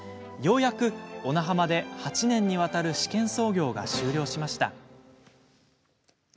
ようやく小名浜で８年にわたる試験操業が終了しました。